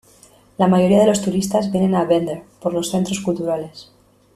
La mayoría de los turistas vienen a Bender por los centros culturales.